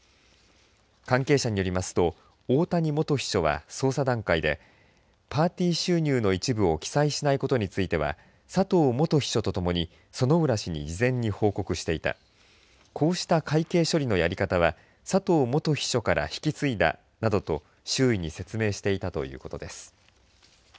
関係者によりますと大谷元秘書は捜査段階でパーティー収入の一部を記載しなかったことについては佐藤元秘書と共に薗浦氏に事前に報告していたこうした会計処理のやり方は佐藤元秘書から引き継いだなどと周囲に説明していたということです。